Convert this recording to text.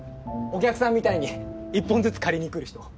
お客さんみたいに１本ずつ借りに来る人。